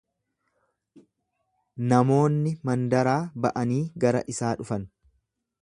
Namoonni mandaraa ba'anii gara isaa dhufan.